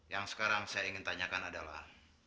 yang sekarang saya ingin tanyakan adalah